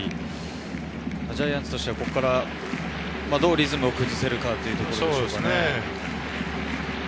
ジャイアンツとしては、ここからどうリズムを崩せるかというところですよね。